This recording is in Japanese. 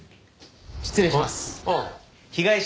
失礼します。